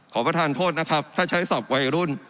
ประธานโทษนะครับถ้าใช้ศัพท์วัยรุ่น